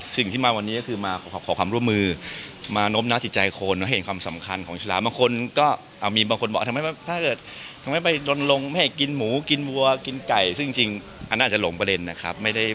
คุณต้องการสุดท้ายหรือคุณต้องการสุดท้าย